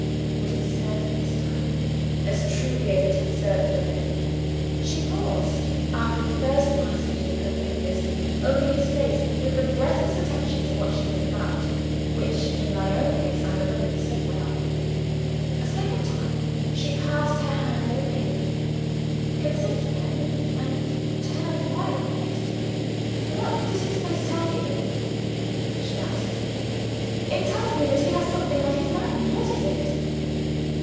Would it serve her, this time, as truly as it had served her then? She paused, after the first passage of her fingers over his face, with the breathless attention to what she was about, which, in my own case, I remembered so well. A second time, she passed her hand over him considered again and turned my way next. "What does his face tell you?" she asked. "It tells me that he has something on his mind. What is it?"